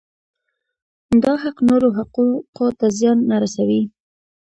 دا حق نورو حقوقو ته زیان نه رسوي.